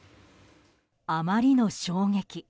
あまりの衝撃。